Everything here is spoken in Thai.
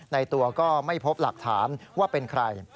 ในตัวก็ไม่พบหลักฐานว่าเป็นใคร